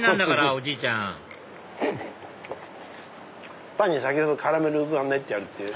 おじいちゃんパンに先ほどカラメルが練ってあるって。